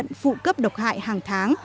đã được nhận phụ cấp độc hại hàng tháng